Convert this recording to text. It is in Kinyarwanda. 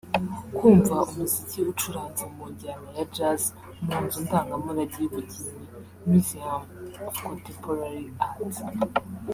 kumva umuziki ucuranze mu njyana ya Jazz mu nzu ndangamurage y’ubugeni “Museum of Contemporary Art”